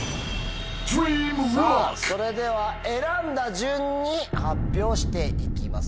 それでは選んだ順に発表していきます。